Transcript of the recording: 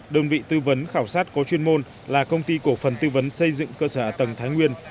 đơn vị tư vấn khảo sát có chuyên môn là công ty cổ phần tư vấn xây dựng cơ sở ở tầng thái nguyên